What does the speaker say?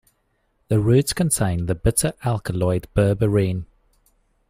The roots contain the bitter alkaloid berberine.